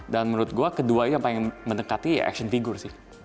dan menurut gue kedua yang paling mendekati action figure sih